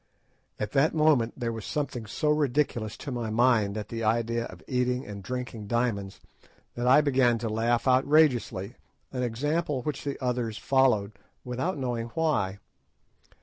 _" At that moment there was something so ridiculous to my mind at the idea of eating and drinking diamonds, that I began to laugh outrageously, an example which the others followed, without knowing why.